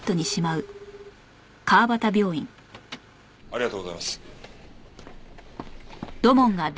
ありがとうございます。